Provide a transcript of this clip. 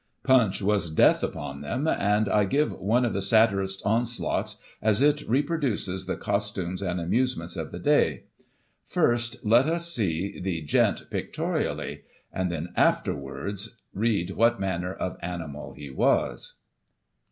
Punch was death upon them, *and I give one of the satirist's onslaughts, as it reproduces the costumes and amusements of the day. First let us see the Digitized by Google 2l6 GOSSIP. [1843 " Gent," pictorially, and then, afterwards, read what manner of animal he was.